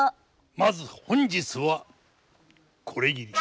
まず本日はこれぎり。